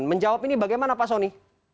menjawab ini bagaimana pak soni